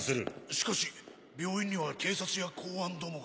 しかし病院には警察や公安どもが。